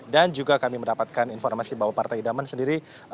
dan juga kami mendapatkan informasi bahwa partai daman sendiri